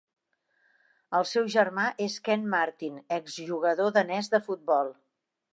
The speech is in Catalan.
El seu germà és Ken Martin, exjugador danès de futbol.